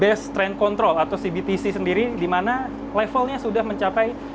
base train control atau cbtc sendiri dimana levelnya sudah mencapai